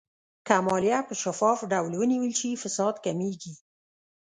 که مالیه په شفاف ډول ونیول شي، فساد کمېږي.